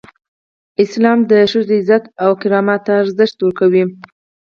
اسلام د ښځو عزت او کرامت ته ارزښت ورکوي.